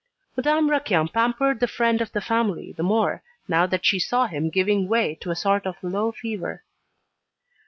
Madame Raquin pampered the friend of the family the more, now that she saw him giving way to a sort of low fever.